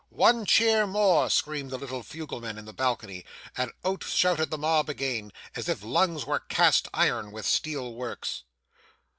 'One cheer more,' screamed the little fugleman in the balcony, and out shouted the mob again, as if lungs were cast iron, with steel works.